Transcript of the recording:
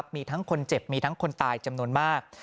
มีทั้งคนเจ็บมีทั้งคนตายจำนวนมาก